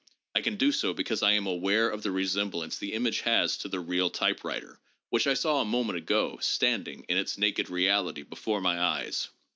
I can do so because I am aware of the resemblance the image has to the real typewriter, which I saw a moment ago standing in its naked reality before my eyes.